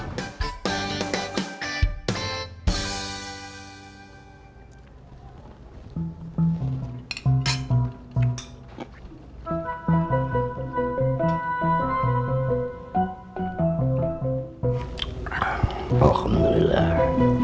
tidak ada apa apa pak